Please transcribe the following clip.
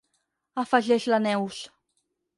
Afegeix la Neus—.